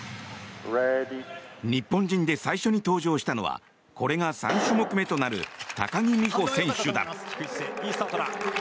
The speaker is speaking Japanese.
日本人で最初に登場したのはこれが３種目目となる高木美帆選手だ。